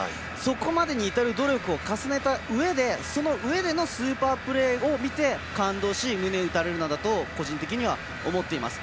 そこまでにいたる努力を重ねたそのうえでのスーパープレーを見て感動し胸を打たれるのだと個人的には思っています。